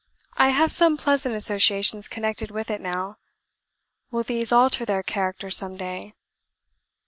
I have some pleasant associations connected with it now will these alter their character some day?